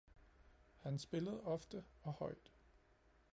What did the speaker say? Han spillede ofte og højt.